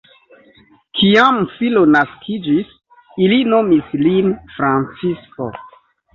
Kiam filo naskiĝis, ili nomis lin Francisko.